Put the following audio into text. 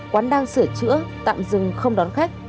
quán đang sửa chữa tạm dừng không đón khách